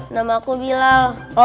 nama aku bilal